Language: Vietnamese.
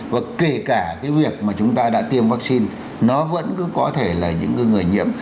và kể cả cái việc mà chúng ta đã tiêm vaccine nó vẫn cứ có thể là những người nhiễm